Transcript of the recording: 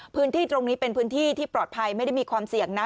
พื้นที่ตรงนี้เป็นพื้นที่ที่ปลอดภัยไม่ได้มีความเสี่ยงนะ